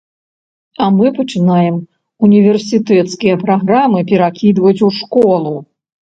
А мы пачынаем універсітэцкія праграмы перакідваць ў школу.